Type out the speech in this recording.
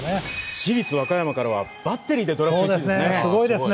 市立和歌山からはバッテリーで１位ですね。